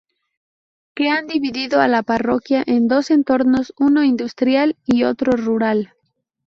Que han dividido a la parroquia en dos entornos uno industrial y otro rural.